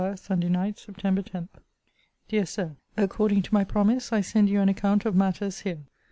SUNDAY NIGHT, SEPT. 10. DEAR SIR, According to my promise, I send you an account of matters here.